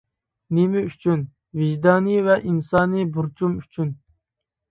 -نېمە ئۈچۈن؟ -ۋىجدانىي ۋە ئىنسانىي بۇرچۇم ئۈچۈن.